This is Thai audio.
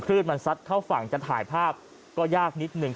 มันซัดเข้าฝั่งจะถ่ายภาพก็ยากนิดหนึ่ง